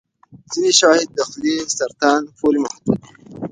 ځینې شواهد د خولې سرطان پورې محدود دي.